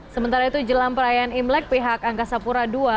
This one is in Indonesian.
sementara itu jelang perayaan imlek pihak angkasa pura ii